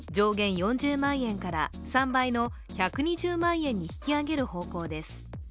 ４０万円から３倍の１２０万円に引き上げる方向です。